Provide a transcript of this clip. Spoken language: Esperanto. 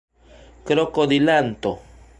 krokodilanto